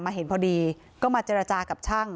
เห็นพอดีก็มาเจรจากับช่าง